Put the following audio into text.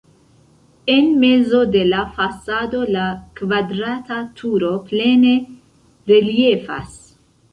En mezo de la fasado la kvadrata turo plene reliefas.